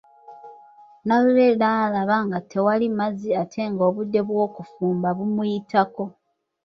Nalule naalaba nga tewali mazzi ate nga obudde bw’okufumba bumuyitako.